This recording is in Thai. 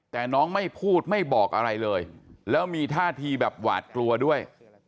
แต่น้องไม่พูดไม่บอกอะไรเลยแล้วมีท่าทีแบบหวาดกลัวด้วย